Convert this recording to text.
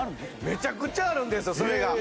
めちゃくちゃあるんですよそれが。